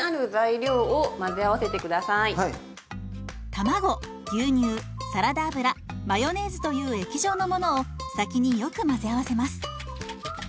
卵牛乳サラダ油マヨネーズという液状のものを先によく混ぜ合わせます。